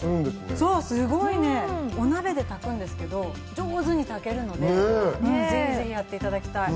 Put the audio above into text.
そう、お鍋で炊くんですけど、上手に炊けるので、ぜひぜひやっていただきたい。